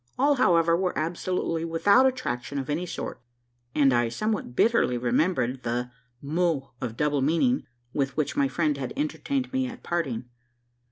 All, however, were absolutely without attraction of any sort; and I somewhat bitterly remembered the mot of double meaning, with which my friend had entertained me at parting.